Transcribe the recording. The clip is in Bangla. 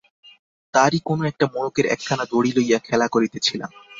তারই কোনো একটা মোড়কের একখানা দড়ি লইয়া খেলা করিতেছিলাম।